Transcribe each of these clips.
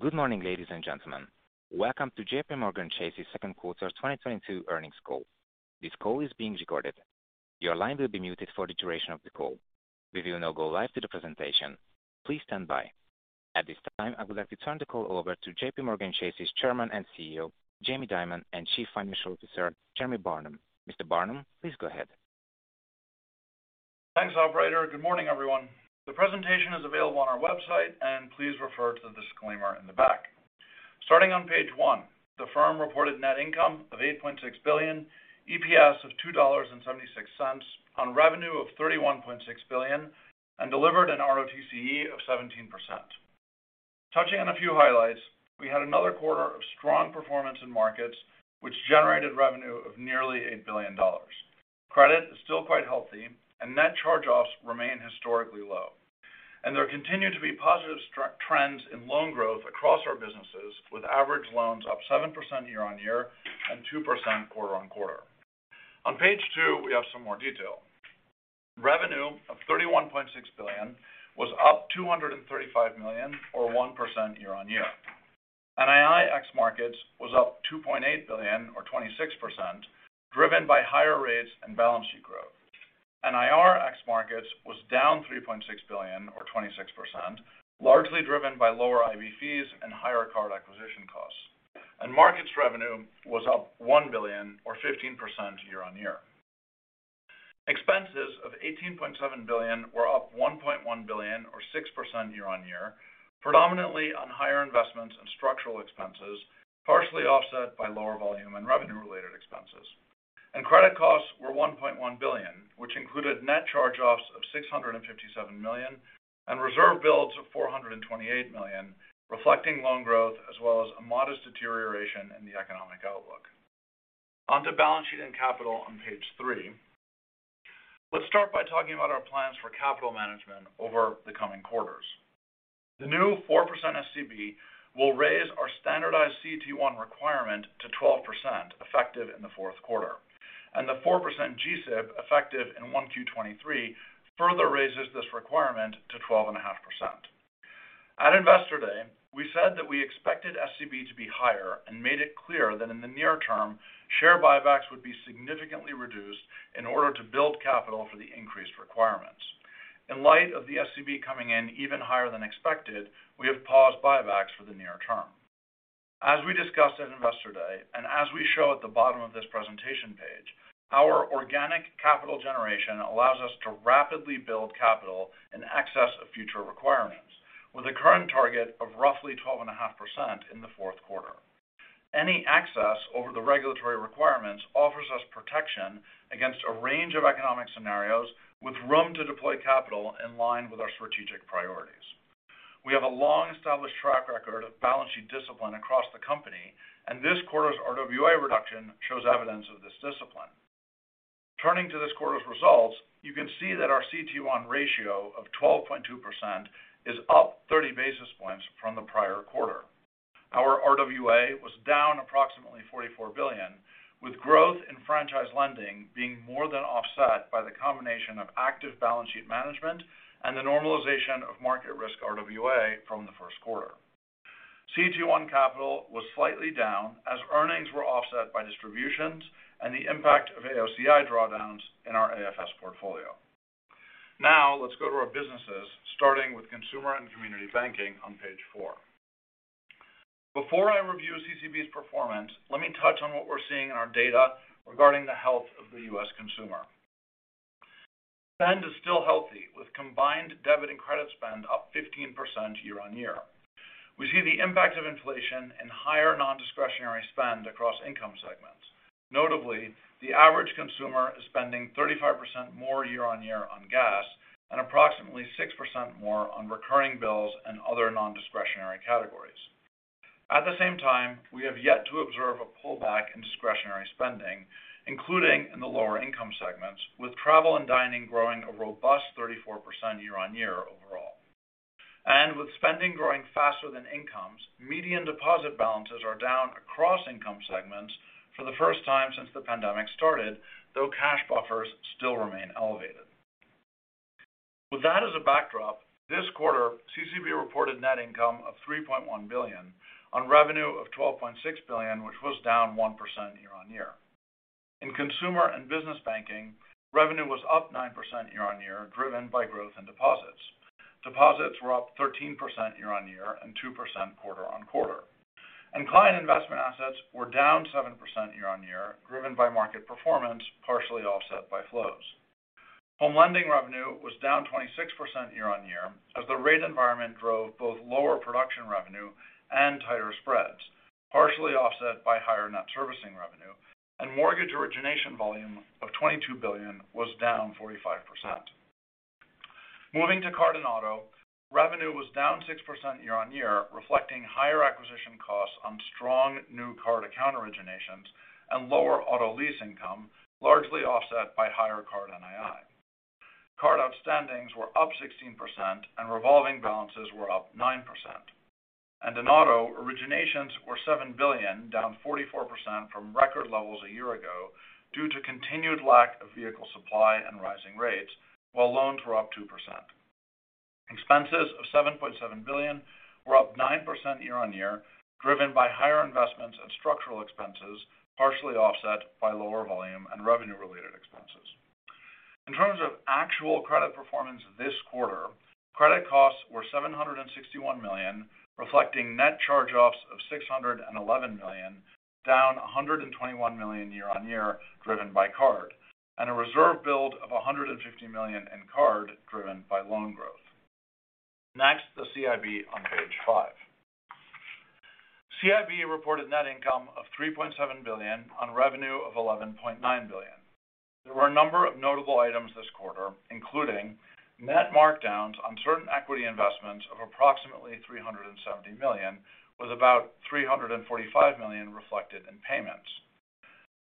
Good morning, Ladies and Gentlemen. Welcome to JPMorgan Chase's Second Quarter 2022 Earnings Call. This call is being recorded. Your line will be muted for the duration of the call. We will now go live to the presentation. Please stand by. At this time, I would like to turn the call over to JPMorgan Chase's Chairman and CEO, Jamie Dimon, and Chief Financial Officer, Jeremy Barnum. Mr. Barnum, please go ahead. Thanks, operator. Good morning, everyone. The presentation is available on our website, and please refer to the disclaimer in the back. Starting on page one, the firm reported net income of $8.6 billion, EPS of $2.76 on revenue of $31.6 billion, and delivered an ROTCE of 17%. Touching on a few highlights, we had another quarter of strong performance in markets which generated revenue of nearly $8 billion. Credit is still quite healthy, and Net Charge-Offs remain historically low. There continue to be positive trends in loan growth across our businesses, with average loans up 7% year-on-year and 2% quarter-on-quarter. On page two, we have some more detail. Revenue of $31.6 billion was up $235 million, or 1% year-on-year. NII ex-Markets was up $2.8 billion or 26%, driven by higher rates and balance sheet growth. NIR ex-Markets was down $3.6 billion or 26%, largely driven by lower IB fees and higher card acquisition costs. Markets revenue was up $1 billion or 15% year-on-year. Expenses of $18.7 billion were up $1.1 billion or 6% year-on-year, predominantly on higher investments and structural expenses, partially offset by lower volume and revenue related expenses. Credit costs were $1.1 billion, which included Net Charge-Offs of $657 million and reserve builds of $428 million, reflecting loan growth as well as a modest deterioration in the economic outlook. On to balance sheet and capital on page three. Let's start by talking about our plans for capital management over the coming quarters. The new 4% SCB will raise our standardized CET1 requirement to 12% effective in the fourth quarter. The 4% GSIB effective in 1Q 2023 further raises this requirement to 12.5%. At Investor Day, we said that we expected SCB to be higher and made it clear that in the near term, share buybacks would be significantly reduced in order to build capital for the increased requirements. In light of the SCB coming in even higher than expected, we have paused buybacks for the near term. As we discussed at Investor Day, and as we show at the bottom of this presentation page, our organic capital generation allows us to rapidly build capital in excess of future requirements with a current target of roughly 12.5% in the fourth quarter. Any excess over the regulatory requirements offers us protection against a range of economic scenarios with room to deploy capital in line with our strategic priorities. We have a long-established track record of balance sheet discipline across the company, and this quarter's RWA reduction shows evidence of this discipline. Turning to this quarter's results, you can see that our CET1 ratio of 12.2% is up 30 basis points from the prior quarter. Our RWA was down approximately $44 billion, with growth in franchise lending being more than offset by the combination of active balance sheet management and the normalization of market risk RWA from the first quarter. CET1 capital was slightly down as earnings were offset by distributions and the impact of AOCI drawdowns in our AFS portfolio. Now let's go to our businesses, starting with Consumer and Community banking on page four. Before I review CCB's performance, let me touch on what we're seeing in our data regarding the health of the U.S. consumer. Spend is still healthy, with combined debit and credit spend up 15% year-over-year. We see the impact of inflation in higher non-discretionary spend across income segments. Notably, the average consumer is spending 35% more year-over-year on gas and approximately 6% more on recurring bills and other non-discretionary categories. At the same time, we have yet to observe a pullback in discretionary spending, including in the lower income segments, with travel and dining growing a robust 34% year-over-year overall. With spending growing faster than incomes, median deposit balances are down across income segments for the first time since the pandemic started, though cash buffers still remain elevated. With that as a backdrop, this quarter, CCB reported net income of $3.1 billion on revenue of $12.6 billion, which was down 1% year-over-year. In consumer and business banking, revenue was up 9% year-over-year, driven by growth in deposits. Deposits were up 13% year-over-year and 2% quarter-over-quarter. Client investment assets were down 7% year-over-year, driven by market performance, partially offset by flows. Home lending revenue was down 26% year-over-year as the rate environment drove both lower production revenue and tighter spreads, partially offset by higher net servicing revenue, and mortgage origination volume of $22 billion was down 45%. Moving to card and auto, revenue was down 6% year-over-year, reflecting higher acquisition costs on strong new card account originations and lower auto lease income, largely offset by higher card NII. Card outstandings were up 16% and revolving balances were up 9%. In auto, originations were $7 billion, down 44% from record levels a year ago due to continued lack of vehicle supply and rising rates, while loans were up 2%. Expenses of $7.7 billion were up 9% year-over-year, driven by higher investments and structural expenses, partially offset by lower volume and revenue-related expenses. In terms of actual credit performance this quarter, credit costs were $761 million, reflecting Net Charge-Offs of $611 million, down $121 million year-on-year driven by card, and a reserve build of $150 million in card driven by loan growth. Next, the CIB on Page five. CIB reported net income of $3.7 billion on revenue of $11.9 billion. There were a number of notable items this quarter, including net markdowns on certain equity investments of approximately $370 million, with about $345 million reflected in payments,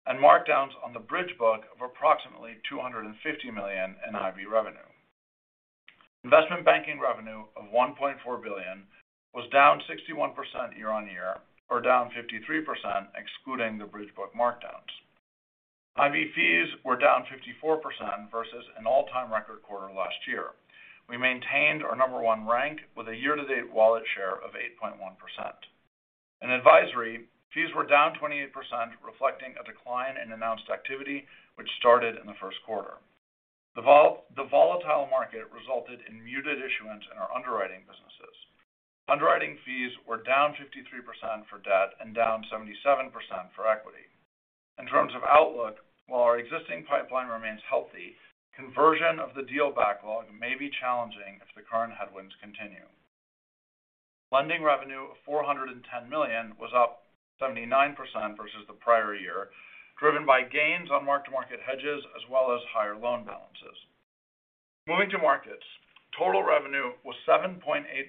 and markdowns on the bridge book of approximately $250 million in IB revenue. Investment banking revenue of $1.4 billion was down 61% year-on-year or down 53% excluding the bridge book markdowns. IB fees were down 54% versus an all-time record quarter last year. We maintained our number one rank with a year-to-date wallet share of 8.1%. In advisory, fees were down 28%, reflecting a decline in announced activity which started in the first quarter. The volatile market resulted in muted issuance in our underwriting businesses. Underwriting fees were down 53% for debt and down 77% for equity. In terms of outlook, while our existing pipeline remains healthy, conversion of the deal backlog may be challenging if the current headwinds continue. Lending revenue of $410 million was up 79% versus the prior year, driven by gains on mark-to-market hedges as well as higher loan balances. Moving to markets, total revenue was $7.8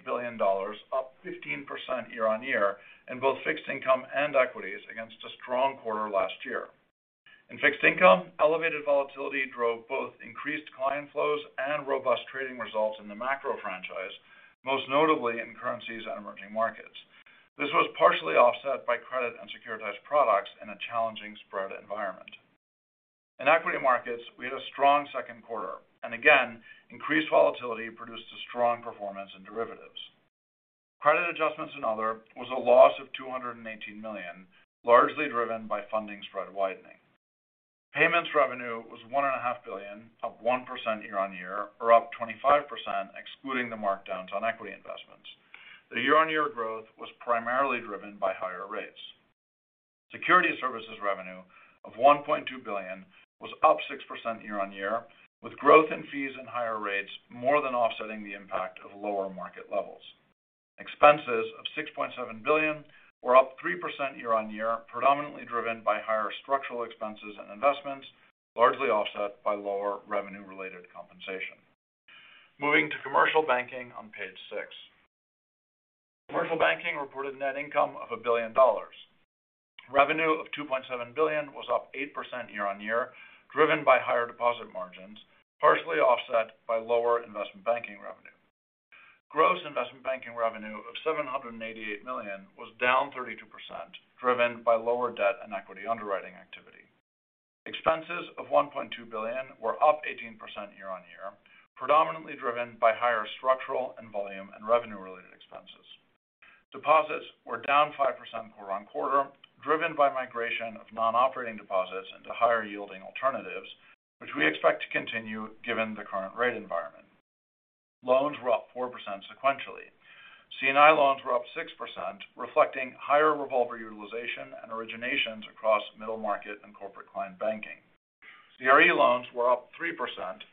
billion, up 15% year-on-year in both fixed income and equities against a strong quarter last year. In fixed income, elevated volatility drove both increased client flows and robust trading results in the macro franchise, most notably in currencies and emerging markets. This was partially offset by credit and securitized products in a challenging spread environment. In equity markets, we had a strong second quarter, and again, increased volatility produced a strong performance in derivatives. Credit adjustments and other was a loss of $218 million, largely driven by funding spread widening. Payments revenue was $1.5 billion, up 1% year-on-year or up 25% excluding the markdowns on equity investments. The year-on-year growth was primarily driven by higher rates. Securities services revenue of $1.2 billion was up 6% year-on-year, with growth in fees and higher rates more than offsetting the impact of lower market levels. Expenses of $6.7 billion were up 3% year-on-year, predominantly driven by higher structural expenses and investments, largely offset by lower revenue-related compensation. Moving to commercial banking on page six. Commercial banking reported net income of $1 billion. Revenue of $2.7 billion was up 8% year-on-year, driven by higher deposit margins, partially offset by lower investment banking revenue. Gross investment banking revenue of $788 million was down 32%, driven by lower debt and equity underwriting activity. Expenses of $1.2 billion were up 18% year-on-year, predominantly driven by higher structural and volume and revenue-related expenses. Deposits were down 5% quarter-on-quarter, driven by migration of non-operating deposits into higher-yielding alternatives, which we expect to continue given the current rate environment. Loans were up 4% sequentially. C&I loans were up 6%, reflecting higher revolver utilization and originations across middle market and corporate client banking. CRE loans were up 3%,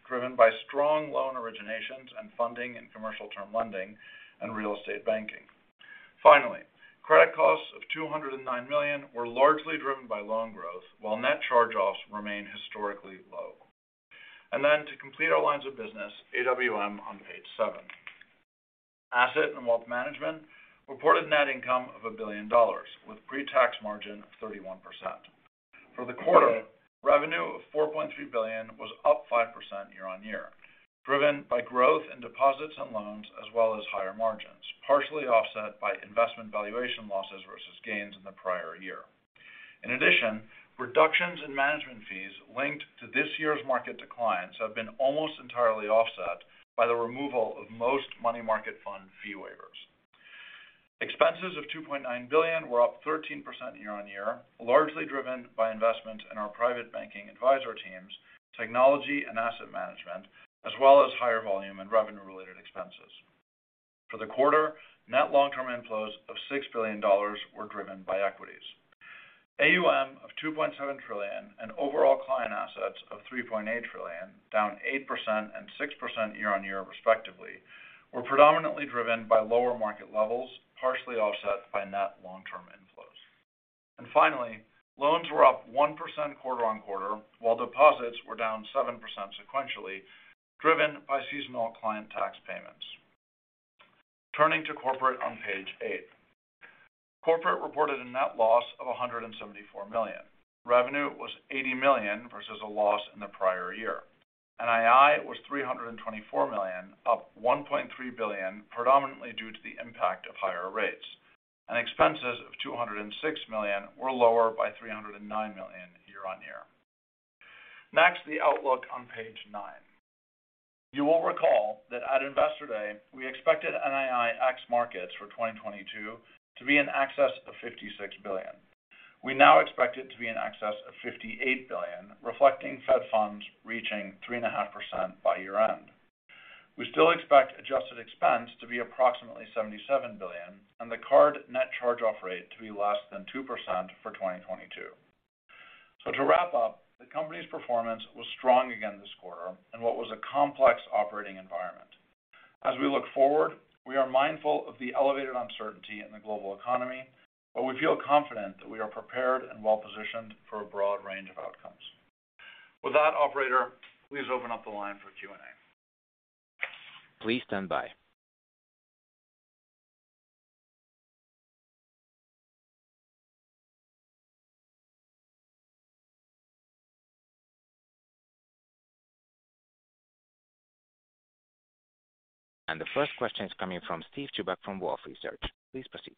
driven by strong loan originations and funding in commercial term lending and real estate banking. Finally, credit costs of $209 million were largely driven by loan growth while Net Charge-Offs remain historically low. To complete our lines of business, AWM on page seven. Asset and wealth management reported net income of $1 billion with pre-tax margin of 31%. For the quarter, revenue of $4.3 billion was up 5% year-on-year, driven by growth in deposits and loans, as well as higher margins, partially offset by investment valuation losses versus gains in the prior year. In addition, reductions in management fees linked to this year's market declines have been almost entirely offset by the removal of most money market fund fee waivers. Expenses of $2.9 billion were up 13% year-on-year, largely driven by investment in our private banking advisor teams, technology and asset management, as well as higher volume and revenue-related expenses. For the quarter, net long-term inflows of $6 billion were driven by equities. AUM of $2.7 trillion and overall client assets of $3.8 trillion, down 8% and 6% year-on-year respectively, were predominantly driven by lower market levels, partially offset by net long-term inflows. Finally, loans were up 1% quarter-over-quarter, while deposits were down 7% sequentially, driven by seasonal client tax payments. Turning to Corporate on Page eight. Corporate reported a net loss of $174 million. Revenue was $80 million versus a loss in the prior year. NII was $324 million, up $1.3 billion, predominantly due to the impact of higher rates. Expenses of $206 million were lower by $309 million year-over-year. Next, the outlook on page nine. You will recall that at Investor Day, we expected NII ex-Markets for 2022 to be in excess of $56 billion. We now expect it to be in excess of $58 billion, reflecting Fed funds reaching 3.5% by year-end. We still expect adjusted expense to be approximately $77 billion and the card Net Charge-Off rate to be less than 2% for 2022. To wrap up, the company's performance was strong again this quarter in what was a complex operating environment. As we look forward, we are mindful of the elevated uncertainty in the global economy, but we feel confident that we are prepared and well-positioned for a broad range of outcomes. With that, operator, please open up the line for Q&A. Please stand by. The first question is coming from Steven Chubak from Wolfe Research. Please proceed.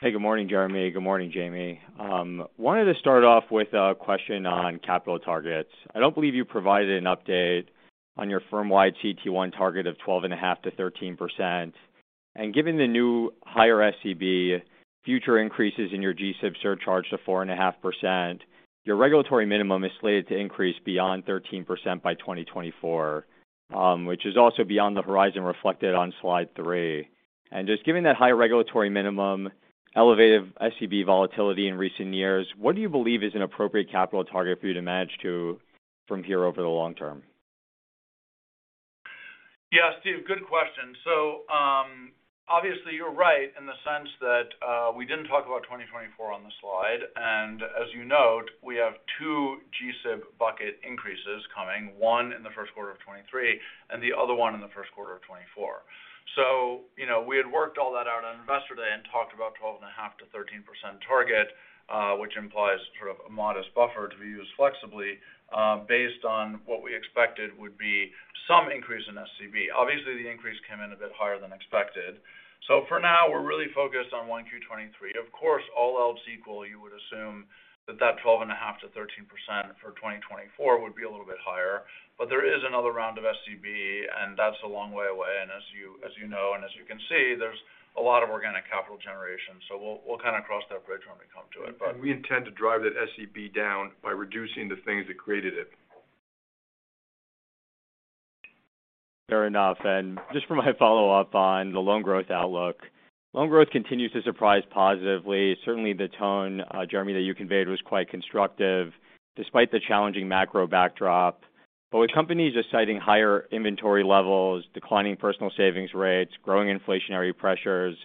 Hey, good morning, Jeremy. Good morning, Jamie. Wanted to start off with a question on capital targets. I don't believe you provided an update on your firm-wide CET1 target of 12.5%-13%. Given the new higher SCB future increases in your G-SIB surcharge to 4.5%, your regulatory minimum is slated to increase beyond 13% by 2024, which is also beyond the horizon reflected on slide three. Just given that high regulatory minimum, elevated SCB volatility in recent years, what do you believe is an appropriate capital target for you to manage to from here over the long term? Yeah, Steve, good question. Obviously, you're right in the sense that we didn't talk about 2024 on the slide. As you note, we have two G-SIB bucket increases coming, one in the first quarter of 2023 and the other one in the first quarter of 2024. You know, we had worked all that out on Investor Day and talked about 12.5%-13% target, which implies sort of a modest buffer to be used flexibly, based on what we expected would be some increase in SCB. Obviously, the increase came in a bit higher than expected. For now, we're really focused on 1Q 2023. Of course, all else equal, you would assume that 12.5%-13% for 2024 would be a little bit higher. There is another round of SCB, and that's a long way away. As you know, and as you can see, there's a lot of organic capital generation. We'll kind of cross that bridge when we come to it. We intend to drive that SCB down by reducing the things that created it. Fair enough. Just for my follow-up on the loan growth outlook. Loan growth continues to surprise positively. Certainly, the tone, Jeremy, that you conveyed was quite constructive despite the challenging macro backdrop. With companies citing higher inventory levels, declining personal savings rates, growing inflationary pressures,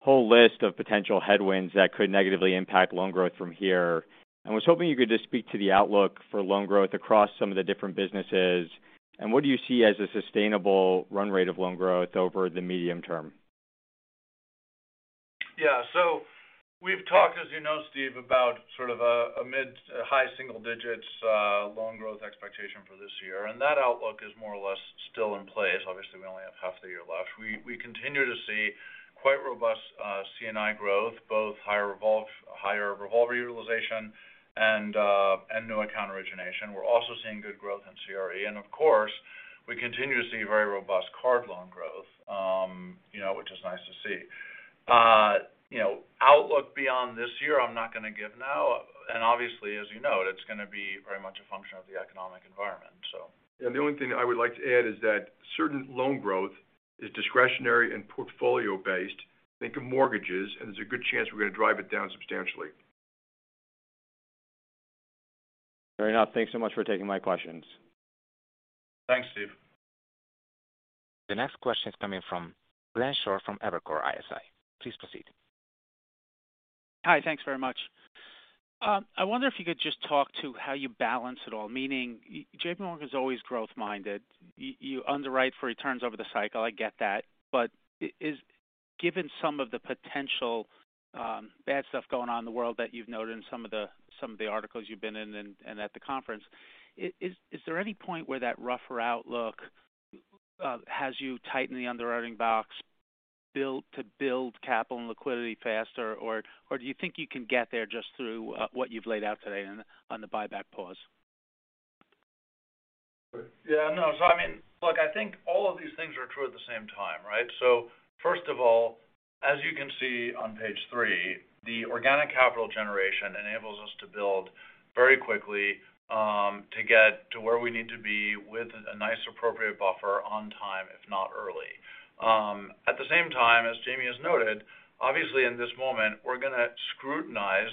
whole list of potential headwinds that could negatively impact loan growth from here. I was hoping you could just speak to the outlook for loan growth across some of the different businesses, and what do you see as a sustainable run rate of loan growth over the medium term? Yeah. We've talked, as you know, Steve, about sort of a mid to high single digits loan growth expectation for this year, and that outlook is more or less still in place. Obviously, we only have half the year left. We continue to see quite robust C&I growth, both higher revolver utilization and new account origination. We're also seeing good growth in CRE. Of course, we continue to see very robust card loan growth, you know, which is nice to see. Outlook beyond this year, I'm not going to give now. Obviously, as you note, it's going to be very much a function of the economic environment. The only thing I would like to add is that certain loan growth is discretionary and portfolio-based. Think of mortgages, and there's a good chance we're going to drive it down substantially. Fair enough. Thanks so much for taking my questions. Thanks, Steve. The next question is coming from Glenn Schorr from Evercore ISI. Please proceed. Hi. Thanks very much. I wonder if you could just talk about how you balance it all. Meaning, JPMorgan is always growth-minded. You underwrite for returns over the cycle, I get that. But given some of the potential bad stuff going on in the world that you've noted in some of the articles you've been in and at the conference, is there any point where that rougher outlook has you tighten the underwriting box to build capital and liquidity faster? Or do you think you can get there just through what you've laid out today on the buyback pause? Yeah. No. I mean, look, I think all of these things are true at the same time, right? First of all, as you can see on page three, the organic capital generation enables us to build very quickly to get to where we need to be with a nice, appropriate buffer on time, if not early. At the same time, as Jamie has noted, obviously in this moment, we're going to scrutinize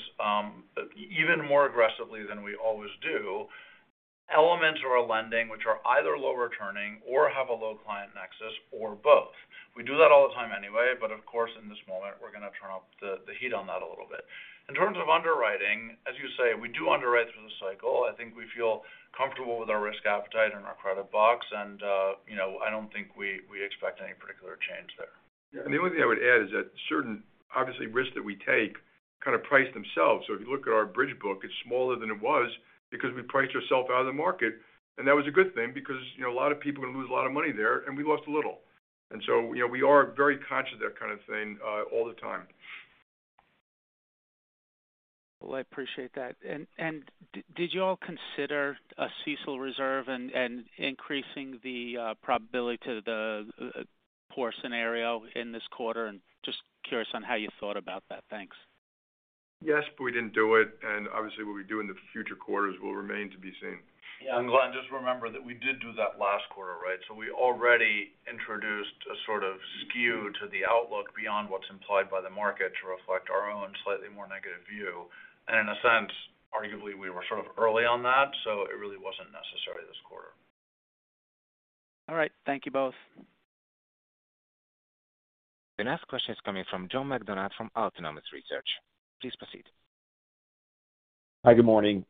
even more aggressively than we always do, elements of our lending, which are either low returning or have a low client nexus or both. We do that all the time anyway, but of course, in this moment, we're going to turn up the heat on that a little bit. In terms of underwriting, as you say, we do underwrite through the cycle. I think we feel comfortable with our risk appetite and our credit box. You know, I don't think we expect any particular change there. Yeah. The only thing I would add is that certain, obviously, risks that we take kind of price themselves. If you look at our bridge book, it's smaller than it was because we priced ourselves out of the market. That was a good thing because, you know, a lot of people are going to lose a lot of money there, and we lost a little. You know, we are very conscious of that kind of thing all the time. Well, I appreciate that. Did you all consider a CECL reserve and increasing the probability to the poor scenario in this quarter? I'm just curious on how you thought about that. Thanks. Yes, we didn't do it, and obviously what we do in the future quarters will remain to be seen. Yeah. Glenn, just remember that we did do that last quarter, right? We already introduced a sort of skew to the outlook beyond what's implied by the market to reflect our own slightly more negative view. In a sense, arguably, we were sort of early on that, so it really wasn't necessary this quarter. All right. Thank you both. The next question is coming from John McDonald from Autonomous Research. Please proceed. Hi. Good morning.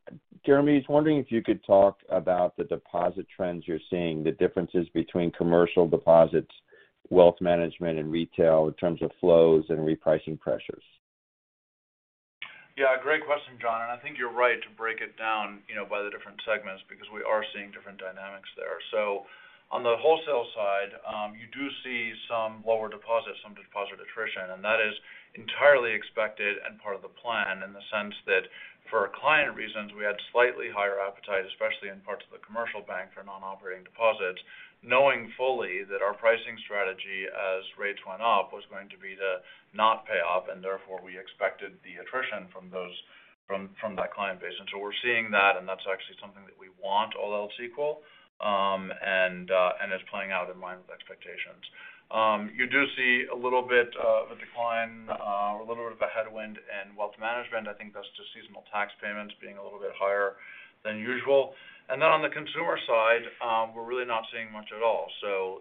Jeremy, I was wondering if you could talk about the deposit trends you're seeing, the differences between commercial deposits, wealth management, and retail in terms of flows and repricing pressures. Yeah, great question, John. I think you're right to break it down, you know, by the different segments because we are seeing different dynamics there. On the wholesale side, you do see some lower deposits, some deposit attrition, and that is entirely expected and part of the plan in the sense that for client reasons, we had slightly higher appetite, especially in parts of the commercial bank for non-operating deposits, knowing fully that our pricing strategy as rates went up was going to be to not pay up, and therefore we expected the attrition from that client base. We're seeing that, and that's actually something that we want all else equal, and it's playing out in line with expectations. You do see a little bit of a decline, a little bit of a headwind in wealth management. I think that's just seasonal tax payments being a little bit higher than usual. Then on the consumer side, we're really not seeing much at all.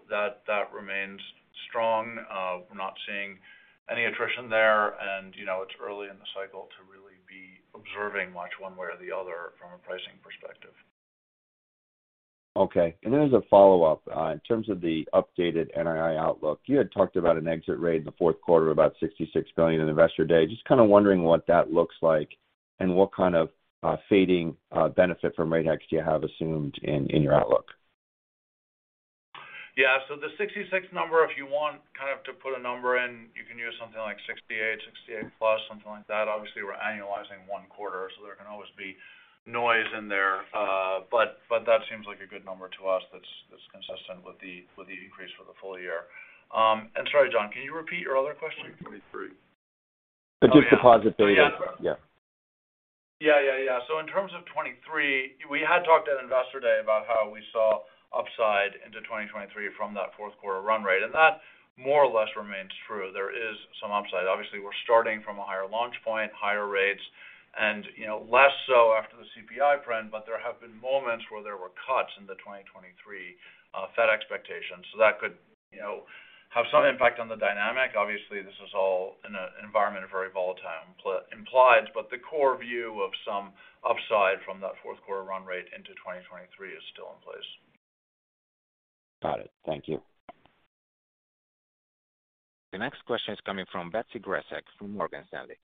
That remains strong. We're not seeing any attrition there and, you know, it's early in the cycle to really be observing much one way or the other from a pricing perspective. Okay. As a follow-up, in terms of the updated NII outlook, you had talked about an exit rate in the fourth quarter about $66 billion at Investor Day. Just kind of wondering what that looks like and what kind of fading benefit from rate hikes you have assumed in your outlook. Yeah. The $66 billion number, if you want kind of to put a number in, you can use something like $68 billion plus, something like that. Obviously, we're annualizing one quarter, so there can always be noise in there. But that seems like a good number to us, that's consistent with the increase for the full year. Sorry, John, can you repeat your other question? 2023. The deposit 30. Yeah. Yeah. Yeah. In terms of 2023, we had talked at Investor Day about how we saw upside into 2023 from that fourth quarter run rate, and that more or less remains true. There is some upside. Obviously, we're starting from a higher launch point, higher rates and, you know, less so after the CPI print, but there have been moments where there were cuts in the 2023 Fed expectations. That could, you know, have some impact on the dynamic. Obviously, this is all in an environment of very volatile implied, but the core view of some upside from that fourth quarter run rate into 2023 is still in place. Got it. Thank you. The next question is coming from Betsy Graseck from Morgan Stanley.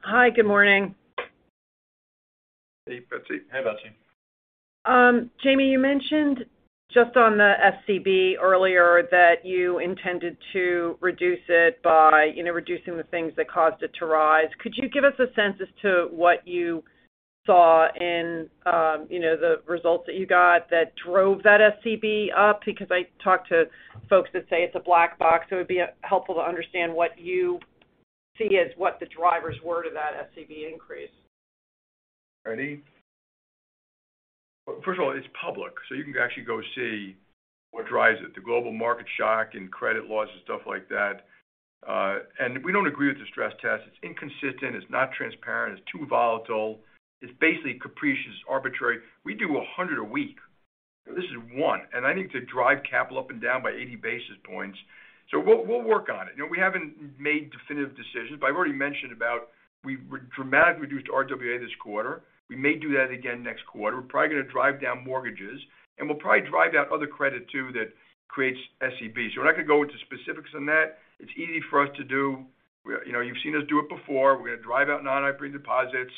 Hi. Good morning. Hey, Betsy. Hey, Betsy. Jamie, you mentioned just on the SCB earlier that you intended to reduce it by, you know, reducing the things that caused it to rise. Could you give us a sense as to what you saw in, you know, the results that you got that drove that SCB up? Because I talked to folks that say it's a black box, so it'd be helpful to understand what you see as what the drivers were to that SCB increase. Ready. First of all, it's public, so you can actually go see what drives it, the global market shock and credit loss and stuff like that. We don't agree with the stress test. It's inconsistent, it's not transparent, it's too volatile. It's basically capricious, arbitrary. We do 100 a week. This is one. I need to drive capital up and down by 80 basis points. We'll work on it. You know, we haven't made definitive decisions, but I've already mentioned about we dramatically reduced RWA this quarter. We may do that again next quarter. We're probably going to drive down mortgages, and we'll probably drive down other credit too that creates SCB. We're not going to go into specifics on that. It's easy for us to do. You know, you've seen us do it before. We're going to drive out non-interest deposits.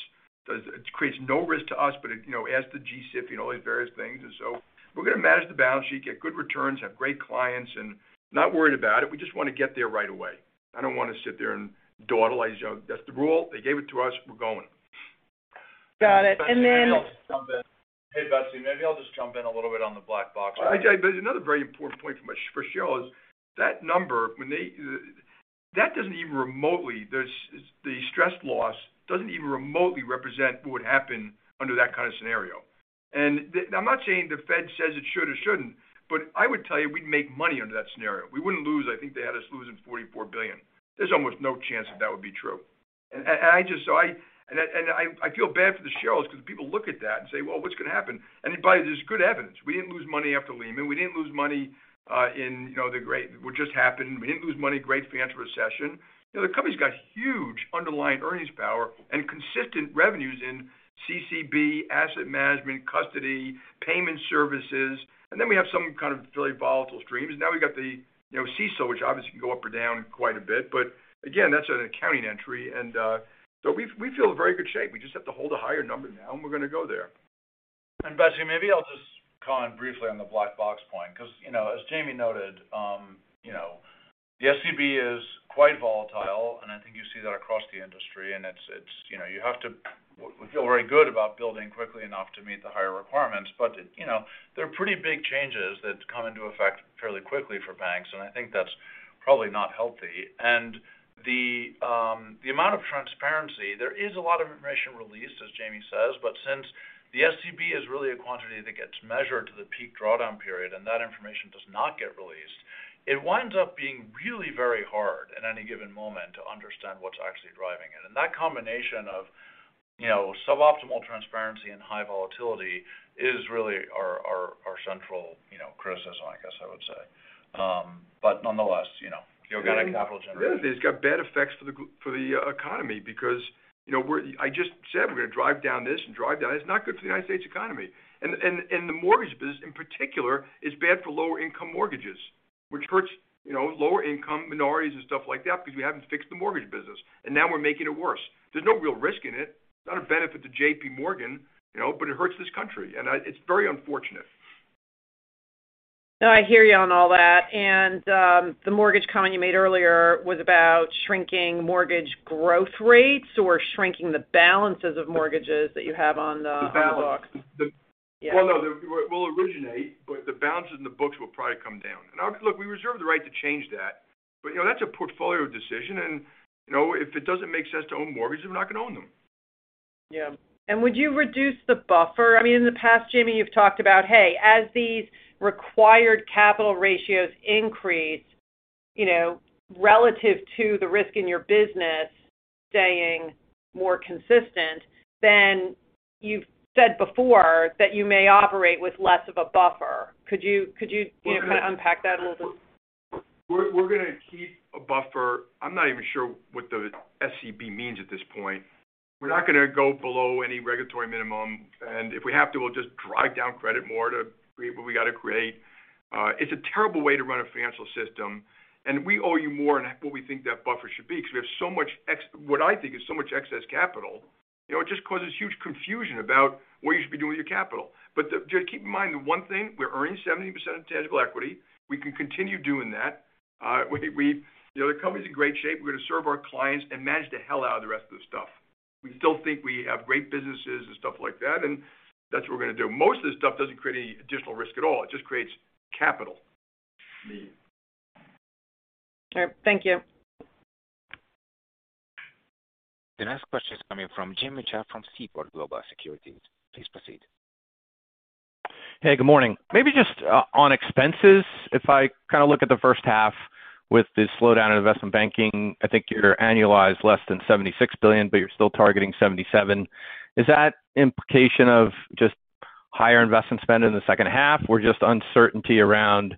It creates no risk to us, but it, you know, asks the G-SIB, you know, all these various things. We're going to manage the balance sheet, get good returns, have great clients, and not worried about it. We just want to get there right away. I don't want to sit there and dawdle. You know, that's the rule. They gave it to us, we're going. Got it. Hey, Betsy, maybe I'll just jump in a little bit on the black box. Another very important point for shareholders, that number, that doesn't even remotely represent what would happen under that kind of scenario. The stress loss doesn't even remotely represent what would happen under that kind of scenario. I'm not saying the Fed says it should or shouldn't, but I would tell you we'd make money under that scenario. We wouldn't lose. I think they had us losing $44 billion. There's almost no chance that that would be true. I feel bad for the shareholders because people look at that and say, "Well, what's going to happen?" By this good evidence, we didn't lose money after Lehman. We didn't lose money in, you know, the great financial recession. You know, the company's got huge underlying earnings power and consistent revenues in CCB, asset management, custody, payment services. Then we have some kind of really volatile streams. Now we've got the, you know, CECL, which obviously can go up or down quite a bit. Again, that's an accounting entry. We feel in very good shape. We just have to hold a higher number now, and we're going to go there. And Betsy, maybe I'll just comment briefly on the black box point because, you know, as Jamie noted, you know, the SCB is quite volatile, and I think you see that across the industry. It's you know, we feel very good about building quickly enough to meet the higher requirements. You know, there are pretty big changes that come into effect fairly quickly for banks, and I think that's probably not healthy. The amount of transparency, there is a lot of information released, as Jamie says. Since the SCB is really a quantity that gets measured to the peak drawdown period and that information does not get released, it winds up being really very hard at any given moment to understand what's actually driving it. That combination of, you know, suboptimal transparency and high volatility is really our central, you know, criticism, I guess I would say. But nonetheless, you know, you'll get a capital generation. It's got bad effects for the economy because, you know, I just said we're gonna drive down this and drive down. It's not good for the United States economy. The mortgage business in particular is bad for lower income mortgages, which hurts, you know, lower income minorities and stuff like that because we haven't fixed the mortgage business, and now we're making it worse. There's no real risk in it. It's not a benefit to JPMorgan, you know, but it hurts this country. It's very unfortunate. No, I hear you on all that. The mortgage comment you made earlier was about shrinking mortgage growth rates or shrinking the balances of mortgages that you have on the books. Yeah. Well, no, we'll originate, but the balances in the books will probably come down. Look, we reserve the right to change that. You know, that's a portfolio decision. You know, if it doesn't make sense to own mortgages, we're not gonna own them. Yeah. Would you reduce the buffer? I mean, in the past, Jamie, you've talked about, hey, as these required capital ratios increase, you know, relative to the risk in your business staying more consistent, then you've said before that you may operate with less of a buffer. Could you know, kind of unpack that a little bit? We're gonna keep a buffer. I'm not even sure what the SCB means at this point. We're not gonna go below any regulatory minimum. If we have to, we'll just drive down credit more to create what we got to create. It's a terrible way to run a financial system, and we owe you more in what we think that buffer should be because we have so much what I think is so much excess capital. You know, it just causes huge confusion about what you should be doing with your capital. Just keep in mind the one thing, we're earning 70% tangible equity. We can continue doing that. You know, the company's in great shape. We're gonna serve our clients and manage the hell out of the rest of the stuff. We still think we have great businesses and stuff like that, and that's what we're gonna do. Most of this stuff doesn't create any additional risk at all. It just creates capital. All right. Thank you. The next question is coming from Jim Mitchell from Seaport Global Securities. Please proceed. Hey, Good morning. Maybe just on expenses, if I kind of look at the first half with the slowdown in investment banking, I think you're annualized less than $76 billion, but you're still targeting $77 billion. Is that implication of just higher investment spend in the second half or just uncertainty around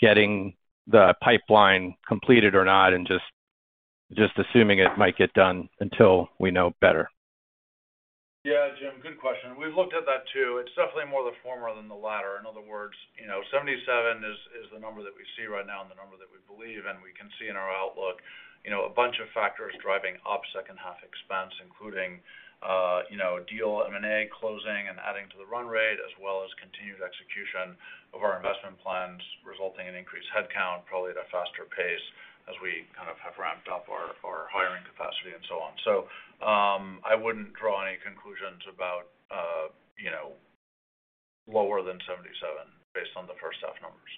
getting the pipeline completed or not and just assuming it might get done until we know better? Yeah. Jim, good question. We've looked at that too. It's definitely more the former than the latter. In other words, you know, $77 is the number that we see right now and the number that we believe, and we can see in our outlook, you know, a bunch of factors driving up second half expense, including, you know, deal M&A closing and adding to the run rate, as well as continued execution of our investment plans, resulting in increased headcount, probably at a faster pace as we kind of have ramped up our hiring capacity and so on. I wouldn't draw any conclusions about, you know, lower than $77 based on the first half numbers.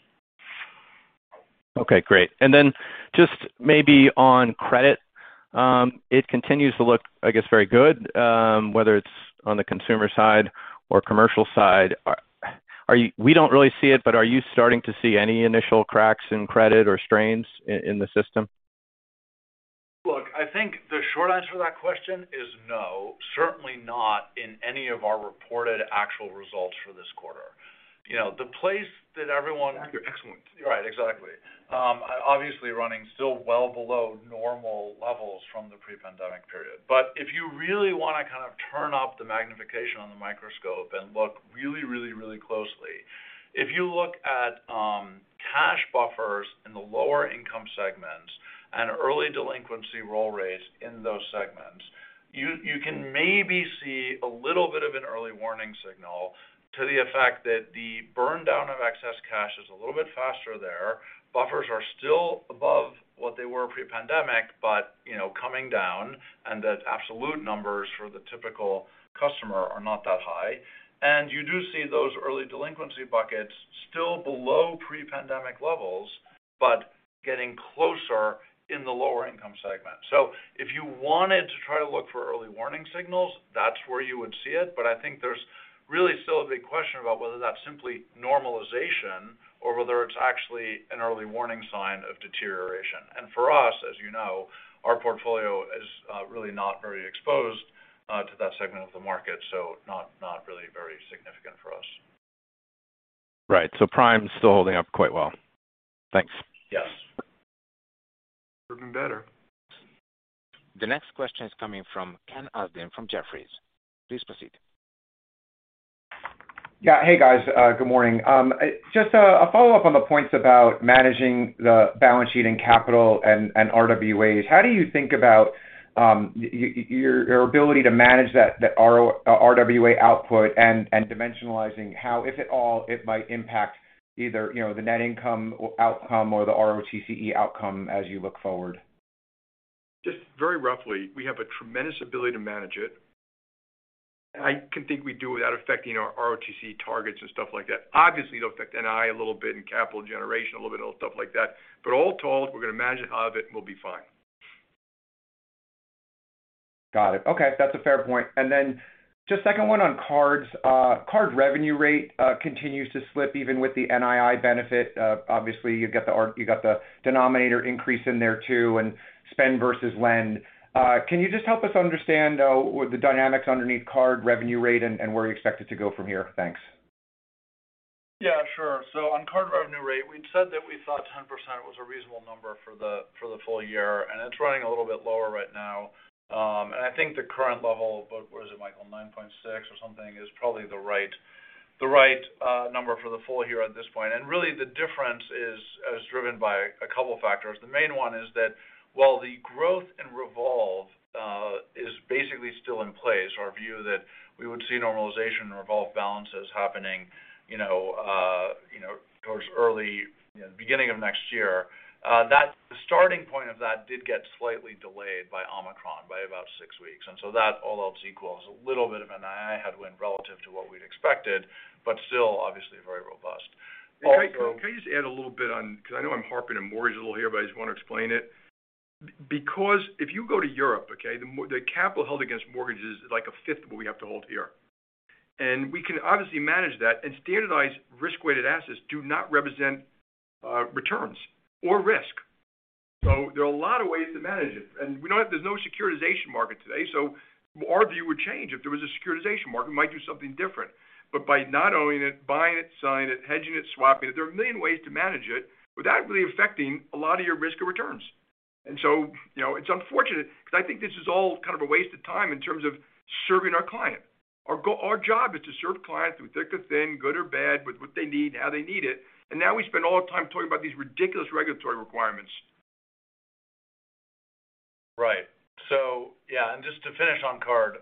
Okay, great. Just maybe on credit, it continues to look, I guess, very good, whether it's on the consumer side or commercial side. We don't really see it, but are you starting to see any initial cracks in credit or strains in the system? Look, I think the short answer to that question is no, certainly not in any of our reported actual results for this quart er. You know, the place that everyone Excellent. Right. Exactly. Obviously running still well below normal levels from the pre-pandemic period. If you really wanna kind of turn up the magnification on the microscope and look really, really, really closely, if you look at cash buffers in the lower income segments and early delinquency roll rates in those segments, you can maybe see a little bit of an early warning signal to the effect that the burn down of excess cash is a little bit faster there. Buffers are still above what they were pre-pandemic, but you know, coming down, and that absolute numbers for the typical customer are not that high. You do see those early delinquency buckets still below pre-pandemic levels, but getting closer in the lower income segment. If you wanted to try to look for early warning signals, that's where you would see it. I think there's really still a big question about whether that's simply normalization or whether it's actually an early warning sign of deterioration. For us, as you know, our portfolio is really not very exposed to that segment of the market. Not really very significant for us. Right. So Prime is still holding up quite well. Thanks. Yes. Looking better. The next question is coming from Ken Usdin from Jefferies. Please proceed. Yeah. Hey guys, good morning. Just a follow-up on the points about managing the balance sheet and capital and RWAs. How do you think about your ability to manage that, the RWA output and dimensionalizing how, if at all, it might impact either, you know, the net income outcome or the ROTCE outcome as you look forward? Just very roughly, we have a tremendous ability to manage it. I can think we do without affecting our ROTCE targets and stuff like that. Obviously, it'll affect NI a little bit and capital generation a little bit and stuff like that. All told, we're going to manage all of it, and we'll be fine. Got it. Okay. That's a fair point. Then just second one on cards. Card revenue rate continues to slip even with the NII benefit. Obviously, you've got the denominator increase in there too and spend versus lend. Can you just help us understand the dynamics underneath card revenue rate and where you expect it to go from here? Thanks. Yeah, sure. On card revenue rate, we'd said that we thought 10% was a reasonable number for the full year, and it's running a little bit lower right now. I think the current level, about, what is it Michael, 9.6 or something, is probably the right number for the full year at this point. Really the difference is driven by a couple of factors. The main one is that while the growth in revolve is basically still in place, our view that we would see normalization in revolve balances happening, you know, toward early beginning of next year, that starting point of that did get slightly delayed by Omicron by about six weeks. That all else equals a little bit of NII headwind relative to what we'd expected, but still obviously very robust. Also, can I just add a little bit on, because I know I'm harping on mortgages a little here, but I just want to explain it. Because if you go to Europe, okay, the capital held against mortgages is like a fifth of what we have to hold here. We can obviously manage that, and standardized risk-weighted assets do not represent returns or risk. There are a lot of ways to manage it. We know there's no securitization market today, so our view would change. If there was a securitization market, we might do something different. by not owning it, buying it, selling it, hedging it, swapping it, there are a million ways to manage it without really affecting a lot of your risk or returns. You know, it's unfortunate because I think this is all kind of a waste of time in terms of serving our client. Our job is to serve clients through thick or thin, good or bad, with what they need and how they need it. Now we spend all the time talking about these ridiculous regulatory requirements. Right. Yeah, and just to finish on card.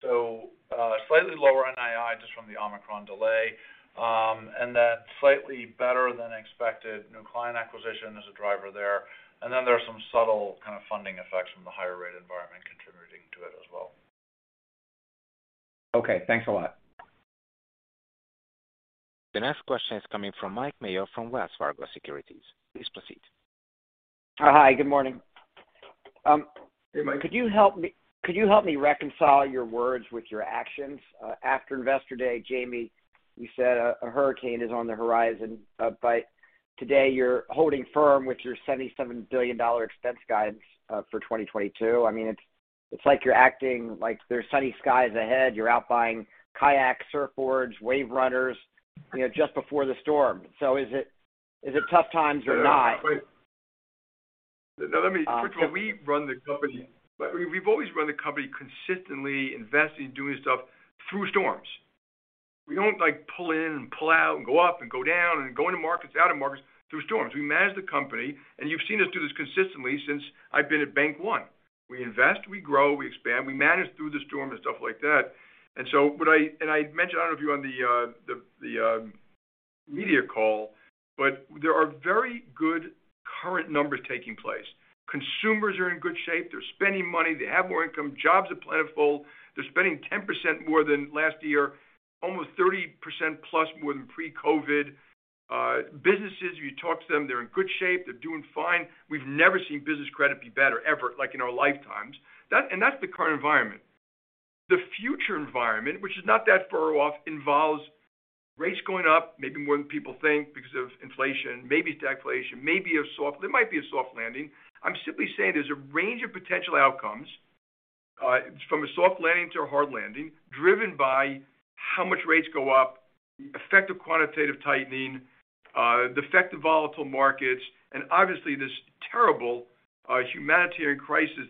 Slightly lower NII just from the Omicron delay, and then slightly better than expected new client acquisition as a driver there. Then there's some subtle kind of funding effects from the higher rate environment contributing to it as well. Okay, thanks a lot. The next question is coming from Mike Mayo from Wells Fargo Securities. Please proceed. Hi, good morning. Hey, Mike. Could you help me reconcile your words with your actions? After Investor Day, Jamie, you said a hurricane is on the horizon. But today, you're holding firm with your $77 billion expense guidance for 2022. I mean, it's like you're acting like there's sunny skies ahead. You're out buying kayaks, surfboards, wave runners, you know, just before the storm. Is it tough times or not? Wait. No, let me. Um. First of all, we run the company. We've always run the company consistently investing, doing stuff through storms. We don't like to pull in and pull out and go up and go down and go into markets, out of markets through storms. We manage the company, and you've seen us do this consistently since I've been at Bank One. We invest, we grow, we expand, we manage through the storm and stuff like that. I mentioned, I don't know if you're on the media call, but there are very good current numbers taking place. Consumers are in good shape. They're spending money. They have more income. Jobs are plentiful. They're spending 10% more than last year, almost 30%+ more than pre-COVID. Businesses, if you talk to them, they're in good shape. They're doing fine. We've never seen business credit be better ever, like, in our lifetimes. That's the current environment. The future environment, which is not that far off, involves rates going up maybe more than people think because of inflation, maybe it's deflation, there might be a soft landing. I'm simply saying there's a range of potential outcomes from a soft landing to a hard landing, driven by how much rates go up, effective quantitative tightening, the effect of volatile markets, and obviously this terrible humanitarian crisis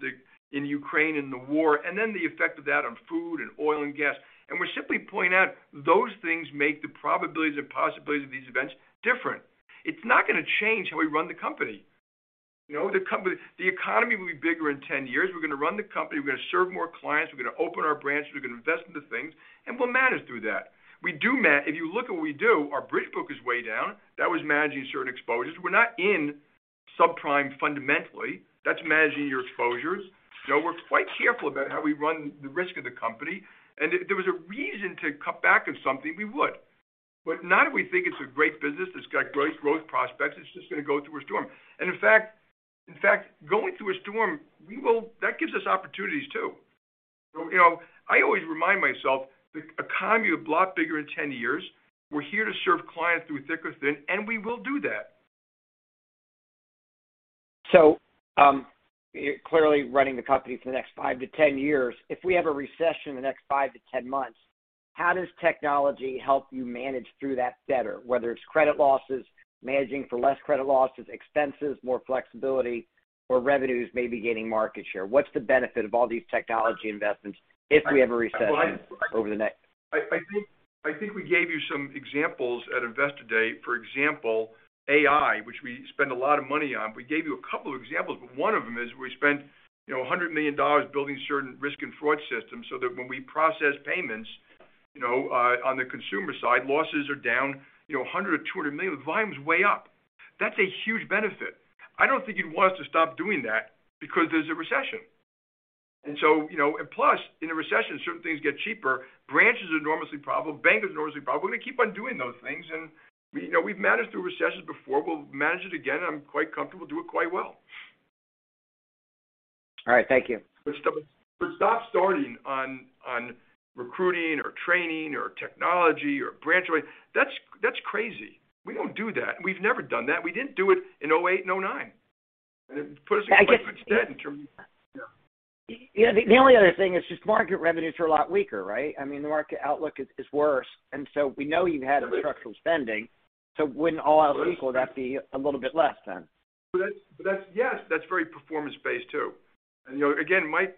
in Ukraine and the war, and then the effect of that on food and oil and gas. We're simply pointing out those things make the probabilities and possibilities of these events different. It's not going to change how we run the company. You know, the economy will be bigger in 10 years. We're going to run the company, we're going to serve more clients, we're going to open our branches, we're going to invest into things, and we'll manage through that. If you look at what we do, our bridge book is way down. That was managing certain exposures. We're not in subprime fundamentally. That's managing your exposures. You know, we're quite careful about how we run the risk of the company. If there was a reason to cut back on something, we would. Not if we think it's a great business that's got great growth prospects, it's just going to go through a storm. In fact, going through a storm, that gives us opportunities too. You know, I always remind myself, the economy will be a lot bigger in 10 years. We're here to serve clients through thick or thin, and we will do that. You're clearly running the company for the next five to 10 years. If we have a recession in the next five to 10 months, how does technology help you manage through that better, whether it's credit losses, managing for less credit losses, expenses, more flexibility, or revenues, maybe gaining market share? What's the benefit of all these technology investments if we have a recession over the next? I think we gave you some examples at Investor Day, for example, AI, which we spend a lot of money on. We gave you a couple of examples, but one of them is we spent, you know, $100 million building certain risk and fraud systems so that when we process payments, you know, on the consumer side, losses are down, you know, $100 million-$200 million. Volume's way up. That's a huge benefit. I don't think you'd want us to stop doing that because there's a recession. You know, and plus, in a recession, certain things get cheaper. Branches are enormously profitable. Bank is enormously profitable. We're gonna keep on doing those things. We know we've managed through recessions before. We'll manage it again. I'm quite comfortable doing quite well. All right. Thank you. Stop spending on recruiting or training or technology or branch. That's crazy. We don't do that. We've never done that. We didn't do it in 2008 and 2009. It put us- I guess. Yeah. Yeah. The only other thing is just market revenues are a lot weaker, right? I mean, the market outlook is worse. We know you've had structural spending. When all else equal, that'd be a little bit less than. Yes, that's very performance-based too. You know, again, Mike,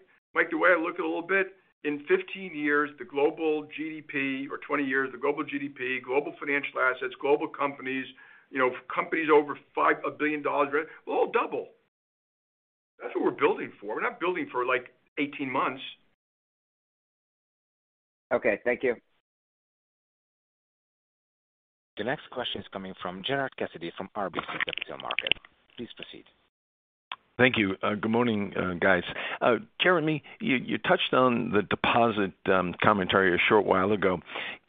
the way I look at it a little bit, in 15 years, the global GDP or 20 years, the global GDP, global financial assets, global companies, you know, companies over $5 billion rev will all double. That's what we're building for. We're not building for, like, 18 months. Okay. Thank you. The next question is coming from Gerard Cassidy from RBC Capital Markets. Please proceed. Thank you. Good morning guys. Jeremy, you touched on the deposit commentary a short while ago.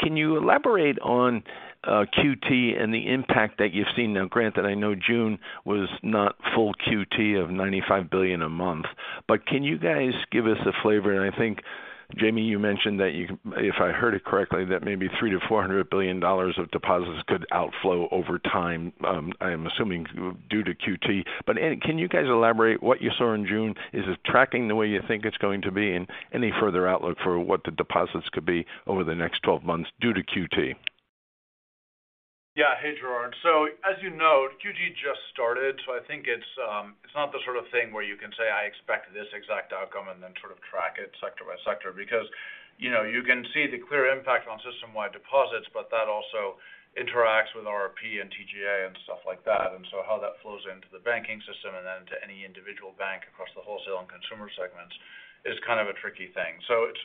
Can you elaborate on QT and the impact that you've seen? Now granted, I know June was not full QT of $95 billion a month. Can you guys give us a flavor? I think, Jamie, you mentioned that if I heard it correctly, that maybe $300 billion-$400 billion of deposits could outflow over time. I'm assuming due to QT. Can you guys elaborate what you saw in June? Is it tracking the way you think it's going to be? Any further outlook for what the deposits could be over the next twelve months due to QT? Yeah. Hey, Gerard. As you know, QT just started, so I think it's not the sort of thing where you can say, "I expect this exact outcome," and then sort of track it sector by sector. Because, you know, you can see the clear impact on system-wide deposits, but that also interacts with RRP and TGA and stuff like that. And so how that flows into the banking system and then to any individual bank across the wholesale and consumer segments is kind of a tricky thing.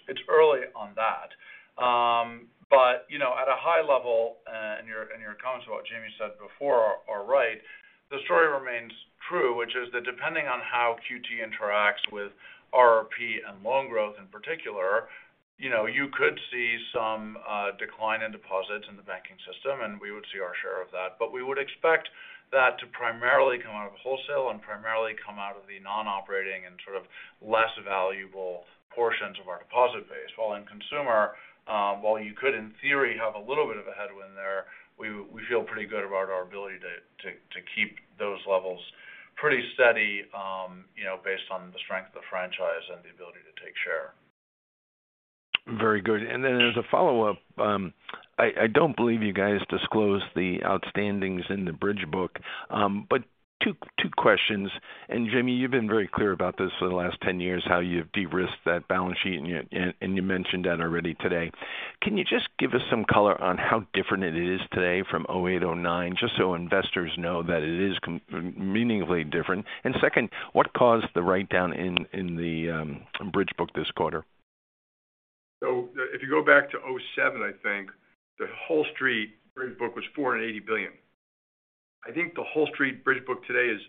It's early on that. But you know, at a high level, and your comments about what Jamie said before are right. The story remains true, which is that depending on how QT interacts with RRP and loan growth in particular, you know, you could see some decline in deposits in the banking system, and we would see our share of that. But we would expect that to primarily come out of wholesale and primarily come out of the non-operating and sort of less valuable portions of our deposit base. While you could in theory have a little bit of a headwind there, we feel pretty good about our ability to keep those levels pretty steady, you know, based on the strength of the franchise and the ability to take share. Very good. As a follow-up, I don't believe you guys disclosed the outstandings in the bridge book. Two questions. Jamie, you've been very clear about this for the last 10 years, how you've de-risked that balance sheet, and you mentioned that already today. Can you just give us some color on how different it is today from 2008-2009, just so investors know that it is meaningfully different. Second, what caused the write-down in the bridge book this quarter? If you go back to 2007, I think, the whole street bridge book was $480 billion. I think the whole street bridge book today is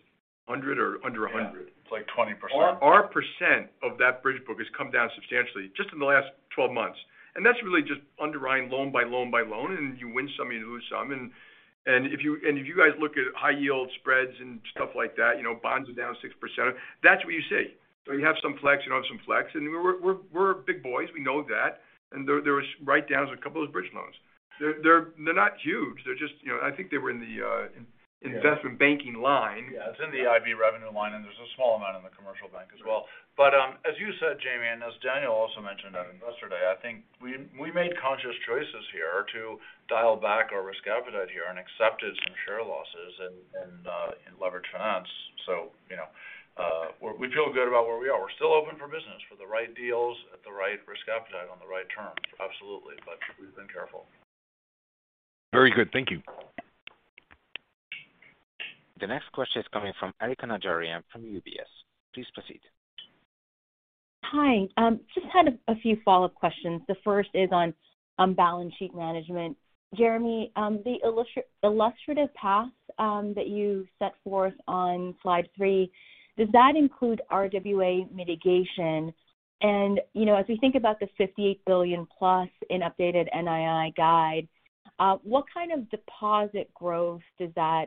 $100 billion or under $100 billion. Yeah. It's like 20%. Our percent of that bridge book has come down substantially just in the last 12 months. That's really just underlying loan by loan, and you win some, you lose some. If you guys look at high yield spreads and stuff like that, you know, bonds are down 6%. That's what you see. You have some flex, you don't have some flex. We're big boys, we know that. There was write-downs a couple of those bridge loans. They're not huge. They're just, you know, I think they were in the Yeah. Investment banking line. Yeah. It's in the IB revenue line, and there's a small amount in the commercial bank as well. As you said, Jamie, and as Daniel also mentioned at Investor Day, I think we made conscious choices here to dial back our risk appetite here and accepted some share losses in leverage finance. You know, we feel good about where we are. We're still open for business for the right deals at the right risk appetite on the right terms. Absolutely. We've been careful. Very good. Thank you. The next question is coming from Erika Najarian from UBS. Please proceed. Hi. Just had a few follow-up questions. The first is on balance sheet management. Jeremy, the illustrative path that you set forth on slide three, does that include RWA mitigation? You know, as we think about the $58 billion-plus in updated NII guide, what kind of deposit growth does that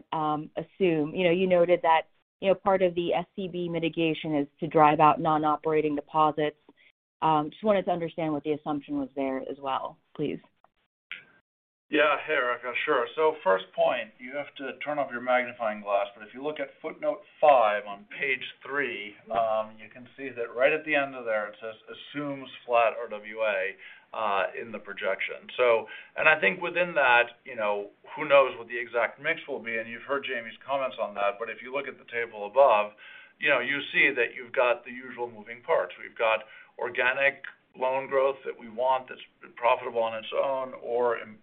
assume? You know, you noted that, you know, part of the SCB mitigation is to drive out non-operating deposits. Just wanted to understand what the assumption was there as well, please. Yeah. Hey, Erika. Sure. First point, you have to turn off your magnifying glass. If you look at footnote five on page three, you can see that right at the end of there it says, "Assumes flat RWA," in the projection. I think within that, you know, who knows what the exact mix will be, and you've heard Jamie's comments on that. If you look at the table above, you know, you see that you've got the usual moving parts. We've got organic loan growth that we want that's profitable on its own or important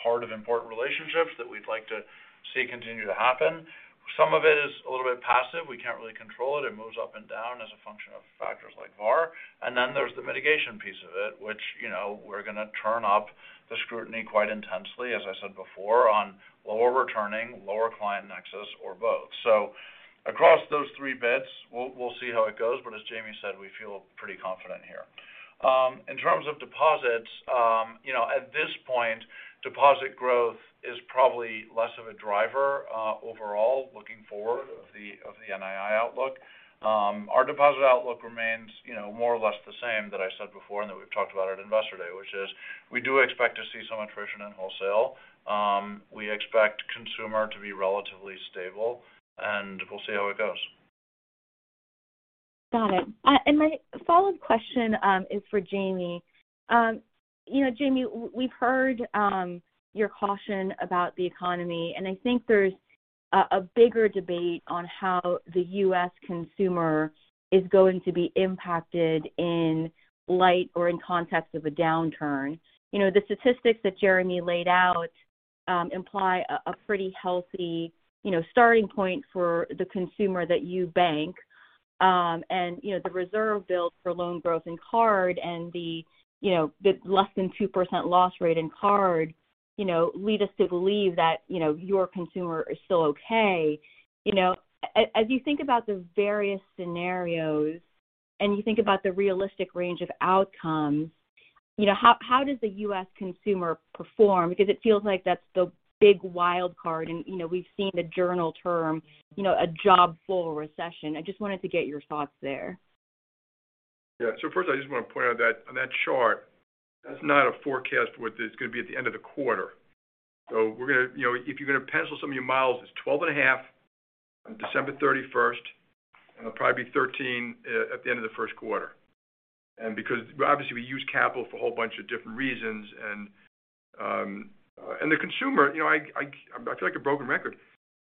part of important relationships that we'd like to see continue to happen. Some of it is a little bit passive. We can't really control it. It moves up and down as a function of factors like VAR. Then there's the mitigation piece of it, which, you know, we're gonna turn up the scrutiny quite intensely, as I said before, on lower returning, lower client nexus or both. Across those three bits, we'll see how it goes, but as Jamie said, we feel pretty confident here. In terms of deposits, you know, at this point, deposit growth is probably less of a driver, overall looking forward of the NII outlook. Our deposit outlook remains, you know, more or less the same that I said before and that we've talked about at Investor Day, which is we do expect to see some attrition in wholesale. We expect consumer to be relatively stable, and we'll see how it goes. Got it. My follow-up question is for Jamie. You know, Jamie, we've heard your caution about the economy, and I think there's a bigger debate on how the U.S. consumer is going to be impacted in light or in context of a downturn. You know, the statistics that Jeremy laid out imply a pretty healthy, you know, starting point for the consumer that you bank. You know, the reserve build for loan growth and card and the, you know, the less than 2% loss rate in card, you know, lead us to believe that, you know, your consumer is still okay. You know, as you think about the various scenarios, and you think about the realistic range of outcomes, you know, how does the U.S. consumer perform? Because it feels like that's the big wild card and, you know, we've seen the jargon term, you know, a jobless recession. I just wanted to get your thoughts there. Yeah. First, I just want to point out that on that chart, that's not a forecast what it's going to be at the end of the quarter. You know, if you're going to pencil some of your models, it's 12.5% on December 31, and it'll probably be 13% at the end of the first quarter. Because obviously, we use capital for a whole bunch of different reasons. The consumer, you know, I feel like a broken record.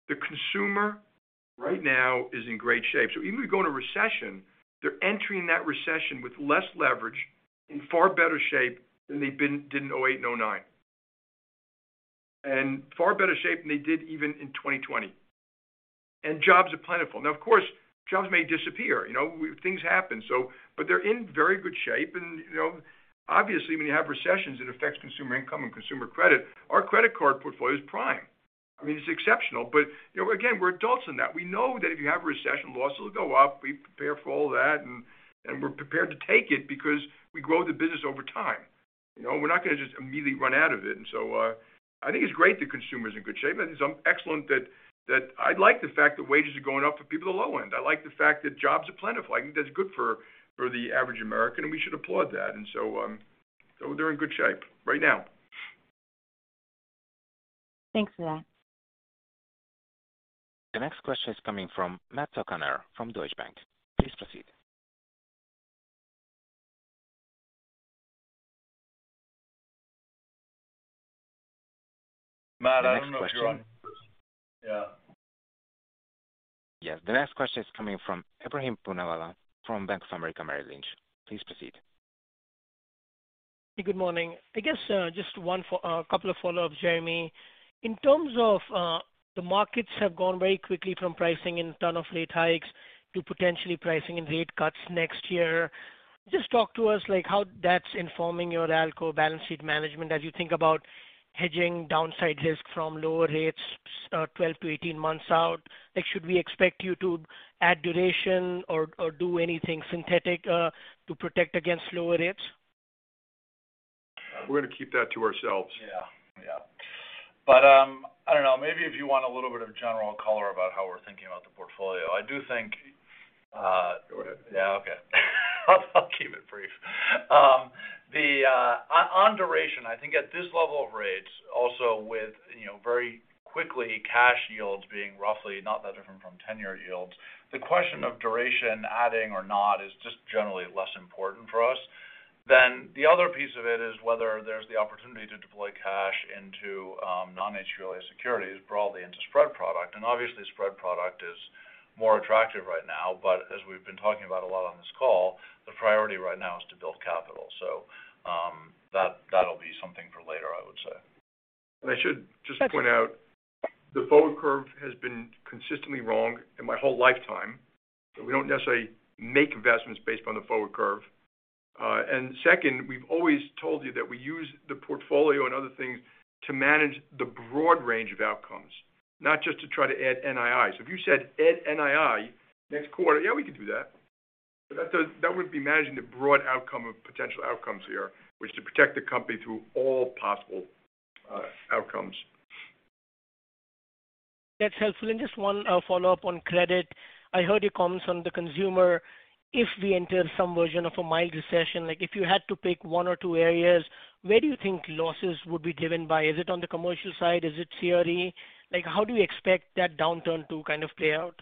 The consumer right now is in great shape. Even if we go into recession, they're entering that recession with less leverage in far better shape than they did in 2008 and 2009. Far better shape than they did even in 2020. Jobs are plentiful. Now, of course, jobs may disappear. You know, things happen. They're in very good shape and, you know, obviously, when you have recessions, it affects consumer income and consumer credit. Our credit card portfolio is prime. I mean, it's exceptional. You know, again, we're adults in that. We know that if you have a recession, losses will go up. We prepare for all that and we're prepared to take it because we grow the business over time. You know, we're not gonna just immediately run out of it. I think it's great the consumer's in good shape. I think it's excellent that I like the fact that wages are going up for people at the low end. I like the fact that jobs are plentiful. I think that's good for the average American, and we should applaud that. They're in good shape right now. Thanks for that. The next question is coming from Matt O'Connor from Deutsche Bank. Please proceed. Matt, I don't know if you're on. The next question. Yeah. Yes. The next question is coming from Ebrahim Poonawala from Bank of America Merrill Lynch. Please proceed. Good morning. I guess, just a couple of follow-ups, Jamie. In terms of, the markets have gone very quickly from pricing in a ton of rate hikes to potentially pricing in rate cuts next year. Just talk to us, like how that's informing your ALCO balance sheet management as you think about hedging downside risk from lower rates 12-18 months out. Like, should we expect you to add duration or do anything synthetic to protect against lower rates? We're gonna keep that to ourselves. Yeah. I don't know. Maybe if you want a little bit of general color about how we're thinking about the portfolio. I do think. Go ahead. Yeah. Okay. I'll keep it brief. On duration, I think at this level of rates also with, you know, very quickly cash yields being roughly not that different from ten-year yields, the question of duration adding or not is just generally less important for us. The other piece of it is whether there's the opportunity to deploy cash into non-HQLA securities, broadly into spread product. Obviously spread product is more attractive right now. As we've been talking about a lot on this call, the priority right now is to build capital. That'll be something for later, I would say. I should just point out the forward curve has been consistently wrong in my whole lifetime. We don't necessarily make investments based on the forward curve. Second, we've always told you that we use the portfolio and other things to manage the broad range of outcomes, not just to try to add NII. If you said add NII next quarter, yeah, we could do that. That wouldn't be managing the broad outcome of potential outcomes here, which to protect the company through all possible outcomes. That's helpful. Just one follow-up on credit. I heard your comments on the consumer. If we enter some version of a mild recession, like if you had to pick one or two areas, where do you think losses would be driven by? Is it on the commercial side? Is it CRE? Like, how do you expect that downturn to kind of play out?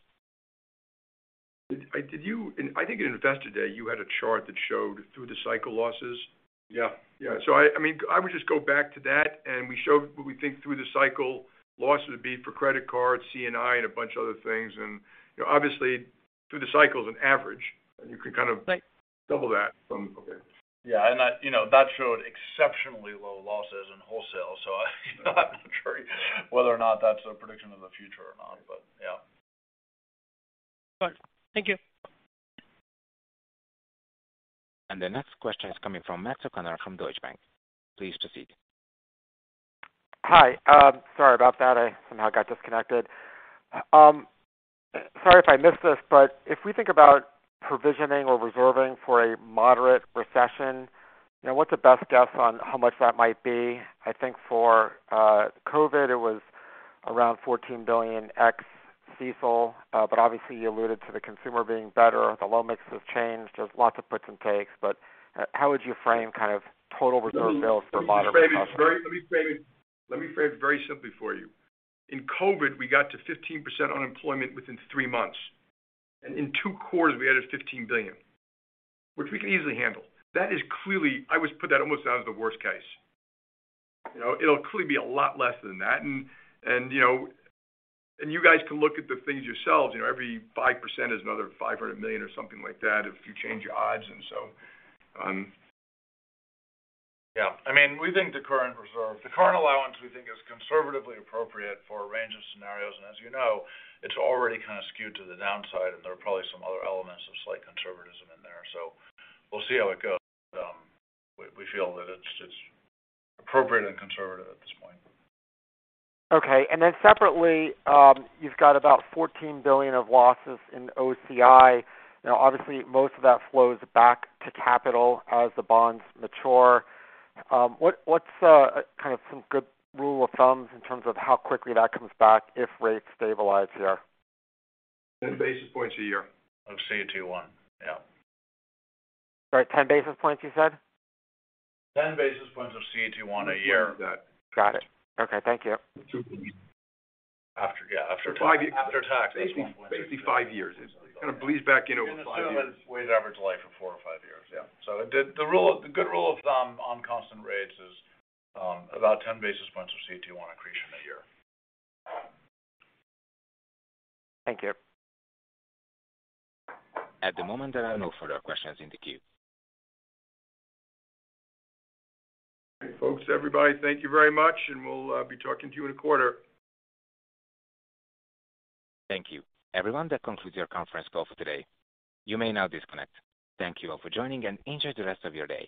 Did you? I think in Investor Day you had a chart that showed through the cycle losses. Yeah. Yeah. I mean, I would just go back to that, and we showed what we think through the cycle losses would be for credit cards, CNI and a bunch of other things. You know, obviously through the cycle is an average, and you can kind of. Right. Double that from. Okay. Yeah. That, you know, that showed exceptionally low losses in wholesale. I'm not sure whether or not that's a prediction of the future or not, but yeah. Got it. Thank you. The next question is coming from Matt O'Connor from Deutsche Bank. Please proceed. Hi. Sorry about that. I somehow got disconnected. Sorry if I missed this, but if we think about provisioning or reserving for a moderate recession, you know, what's the best guess on how much that might be? I think for COVID, it was around $14 billion ex-CECL. Obviously you alluded to the consumer being better. The loan mixes have changed. There's lots of puts and takes. How would you frame kind of total reserve build for a moderate recession? Let me phrase it very simply for you. In COVID, we got to 15% unemployment within three months. In two quarters we added $15 billion, which we can easily handle. That is clearly the worst case. I always put that almost down as the worst case. You know? It'll clearly be a lot less than that. You guys can look at the things yourselves, you know, every 5% is another $500 million or something like that if you change your odds and so. Yeah. I mean, the current allowance we think is conservatively appropriate for a range of scenarios. As you know, it's already kind of skewed to the downside and there are probably some other elements of slight conservatism in there. We'll see how it goes. We feel that it's appropriate and conservative at this point. Separately, you've got about $14 billion of losses in OCI. You know, obviously most of that flows back to capital as the bonds mature. What's kind of some good rule of thumbs in terms of how quickly that comes back if rates stabilize here? 10 basis points a year. Of CET1, yeah. Sorry, 10 basis points you said? 10 basis points of CET1 a year. That. Got it. Okay, thank you. After, yeah, after- Five years- After tax. Basically five years. It kind of bleeds back in over five years. You can assume it's weighted average life of four or five years. Yeah. The good rule of thumb on constant rates is about 10 basis points of CET1 accretion a year. Thank you. At the moment there are no further questions in the queue. Folks, everybody, thank you very much, and we'll be talking to you in a quarter. Thank you. Everyone, that concludes your conference call for today. You may now disconnect. Thank you all for joining and enjoy the rest of your day.